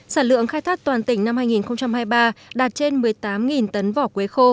sản lượng khai thác toàn tỉnh năm hai nghìn hai mươi ba đạt trên một mươi tám tấn vỏ quế khô